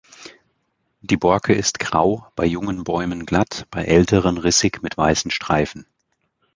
Die Borke ist grau, bei jungen Bäumen glatt, bei älteren rissig mit weißen Streifen.